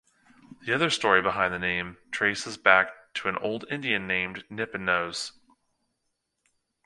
The other story behind the name is traces back an old Indian named Nippenose.